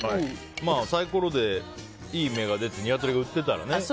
サイコロでいい目が出てニワトリが売ってたらね。